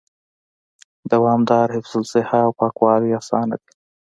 دوامدار حفظ الصحه او پاکوالي آسانه دي